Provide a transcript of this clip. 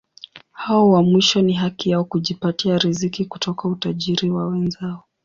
Hao wa mwisho ni haki yao kujipatia riziki kutoka utajiri wa wenzao.